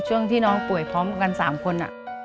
ช่วงที่น้องป่วยพร้อมกัน๓คน